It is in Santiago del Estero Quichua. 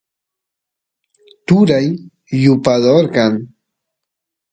turay yupador kan